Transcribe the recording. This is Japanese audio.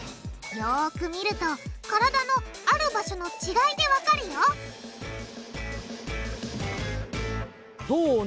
よく見ると体のある場所の違いでわかるよどう？